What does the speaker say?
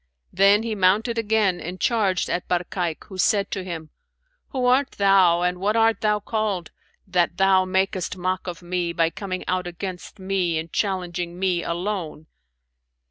Then he mounted again and charged at Barkayk, who said to him, 'Who art thou and what art thou called, that thou makest mock of me by coming out against me and challenging me, alone?'